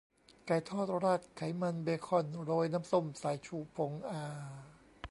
ไก่ทอดราดไขมันเบคอนโรยน้ำส้มสายชูผง อา